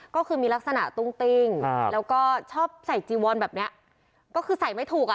ก็คือมีลักษณะตุ้งติ้งแล้วก็ชอบใส่จีวอนแบบเนี้ยก็คือใส่ไม่ถูกอ่ะ